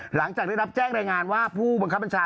หลังจากได้รับแจ้งรายงานว่าผู้บังคับบัญชา